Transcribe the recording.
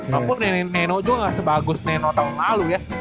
walaupun neno juga gak sebagus neno tahun lalu ya